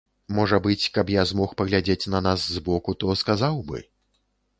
Можа быць, каб я змог паглядзець на нас з боку, то сказаў бы.